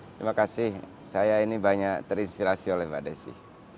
terima kasih saya ini banyak terinspirasi oleh mbak desi